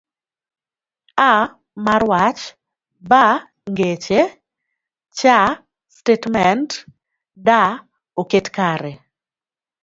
A. mar Wach mar B. Ngeche C. Statement D. oket kare